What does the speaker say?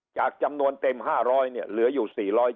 จากจำนวนเต็ม๕๐๐เนี่ยเหลืออยู่๔๐๐